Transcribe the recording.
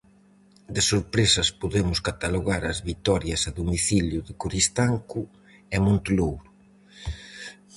De sorpresas podemos catalogar as vitorias a domicilio de Coristanco e Monte Louro.